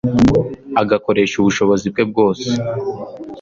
agakoresha ubushobozi bwe bwose